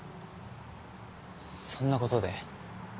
そんなことで？